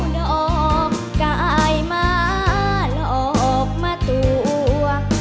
แล้วออกกายมาแล้วออกมาตัว